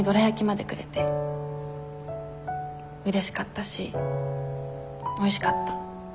うれしかったしおいしかった。